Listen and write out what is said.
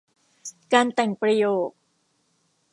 การแต่งประโยค